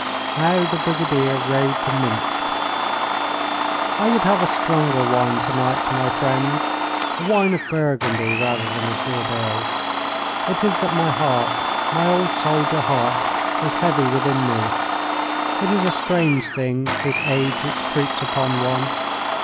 VI. How the Brigadier Rode to Minsk I would have a stronger wine to night, my friends, a wine of Burgundy rather than of Bordeaux. It is that my heart, my old soldier heart, is heavy within me. It is a strange thing, this age which creeps upon one.